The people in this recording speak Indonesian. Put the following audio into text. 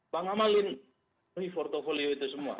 bang ngabalin nih portfolio itu semua